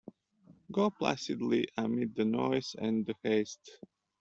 Go placidly amid the noise and the haste